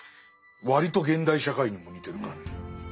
割と現代社会にも似てる感じ。